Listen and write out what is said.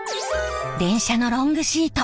電車のロングシート